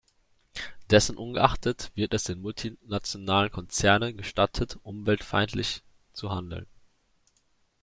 Dessen ungeachtet wird es den multinationalen Konzernen gestattet, umweltfeindlich zu handeln.